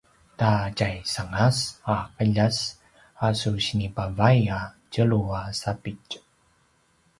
ta tjaisangas a qiljas a su sinipavay a tjelu a sapitj